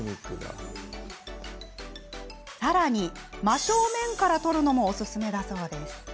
さらに、真正面から撮るのもおすすめなんだそう。